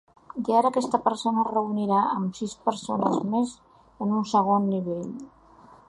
I ara aquesta persona es reunirà amb sis persones més en un segon nivell.